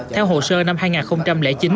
theo hồ sơ năm hai nghìn chín